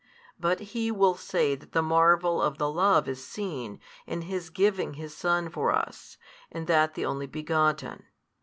But he will say that the marvel of the love is seen, in His giving His Son for us, and that the Only Begotten.